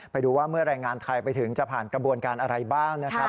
ไปดูว่าเมื่อแรงงานไทยไปถึงจะผ่านกระบวนการอะไรบ้างนะครับ